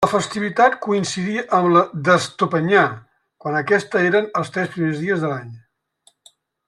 La festivitat coincidia amb la d'Estopanyà, quan aquesta eren els tres primers dies de l'any.